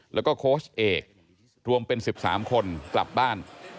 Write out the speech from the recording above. แล้วก็โค้ชเอกรวมเป็น๑๓คนกลับบ้าน